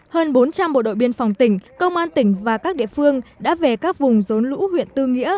hơn bốn trăm linh bộ đội biên phòng tỉnh công an tỉnh và các địa phương đã về các vùng rốn lũ huyện tư nghĩa